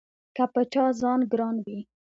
که په چا ځان ګران وي